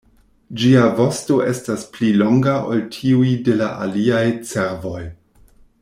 Ĝia vosto estas pli longa ol tiuj de la aliaj cervoj.